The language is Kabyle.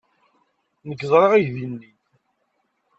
Nekk ẓriɣ aydi-nni.